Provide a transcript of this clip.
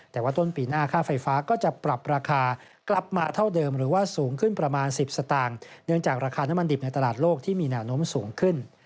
แต่ว่าต้นปีหน้าค่าไฟฟ้าก็จะปรับราคากลับมาเท่าเดิมหรือว่าสูงขึ้นประมาณ๑๐สตางค์เนื่องจากราคาน้ำมันดิบในตลาดโลกที่มีแนวโน้มสูงขึ้น